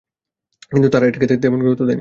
কিন্তু তারা এটাকে তেমন গুরুত্ব দেয়নি।